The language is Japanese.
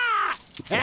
え！